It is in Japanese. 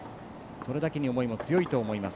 それだけに思いも強いと思います。